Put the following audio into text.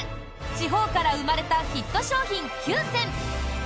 地方から生まれたヒット商品９選！